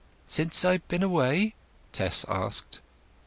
"Since I've been away?" Tess asked.